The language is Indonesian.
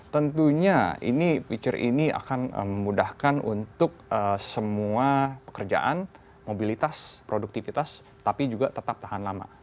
tentunya ini feature ini akan memudahkan untuk semua pekerjaan mobilitas produktivitas tapi juga tetap tahan lama